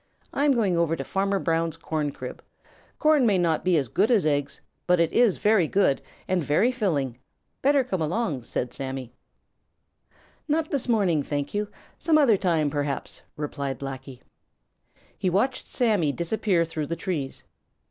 I'm going over to Farmer Brown's corncrib. Corn may not be as good as eggs, but it is very good and very filling. Better come along," said Sammy. "Not this morning, thank you. Some other time, perhaps," replied Blacky. He watched Sammy disappear through the trees.